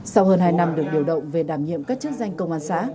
sau hơn hai năm được điều động về đảm nhiệm các chức danh công an xã